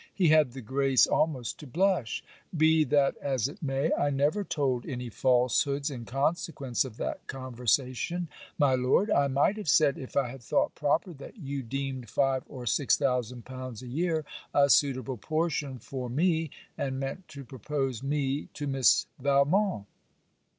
He had the grace almost to blush. 'Be that as it may, I never told any falsehoods in consequence of that conversation, my Lord. I might have said, if I had thought proper, that you deemed 5 or 6000l. a year a suitable portion for me, and meant to propose me to Miss Valmont.'